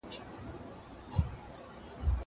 زه پرون سينه سپين کړه.